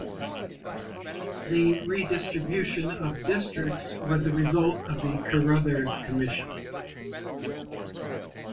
The redistribution of districts was a result of the Carruthers Commission.